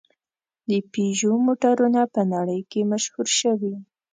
د پيژو موټرونه په نړۍ کې مشهور شوي.